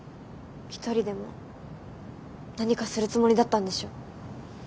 一人でも何かするつもりだったんでしょ。